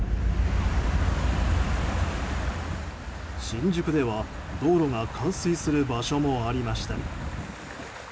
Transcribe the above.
新宿では、道路が冠水する場所もありました。